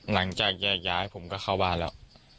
หลังจากแยกย้ายผมก็เข้าบ้านแล้ว